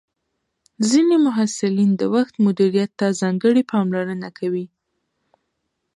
ځینې محصلین د وخت مدیریت ته ځانګړې پاملرنه کوي.